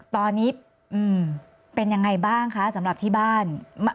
ตอนนี้เป็นยังไงบ้างคะสำหรับที่บ้าน